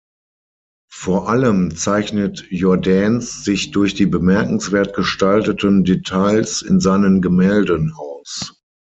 Vor allem zeichnet Jordaens sich durch die bemerkenswert gestalteten Details in seinen Gemälden aus.